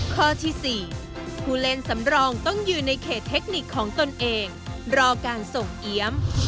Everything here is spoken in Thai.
ข้อที่๔ผู้เล่นสำรองต้องยืนในเขตเทคนิคของตนเองรอการส่งเอี๊ยม